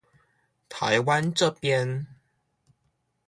台灣這邊